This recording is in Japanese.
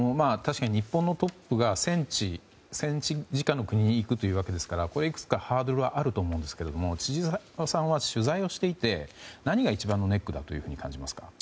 日本のトップが直に戦地に行くというわけですからいくつかハードルはあると思うんですけれども千々岩さんは取材をしていて何が一番ネックと感じますか？